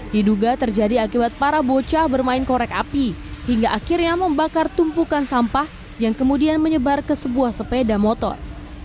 diduga terjadi akibat para bocah bermain korek api hingga akhirnya membakar tumpukan sampah yang kemudian menyebar ke sebuah sepeda motor